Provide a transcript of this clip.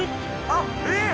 あっえっ？